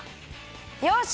よし！